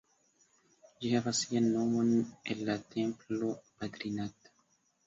Ĝi havas sian nomon el la templo Badrinath.